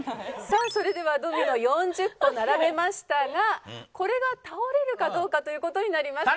さあそれではドミノ４０個並べましたがこれが倒れるかどうかという事になります。